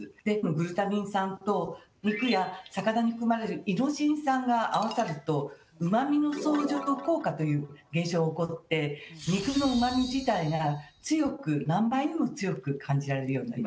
グルタミン酸と肉や魚に含まれるイノシン酸が合わさるとうまみの相乗効果という現象が起こって肉のうまみ自体が何倍にも強く感じられるようになります。